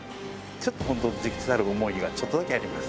ちょっと本当忸怩たる思いがちょっとだけあります。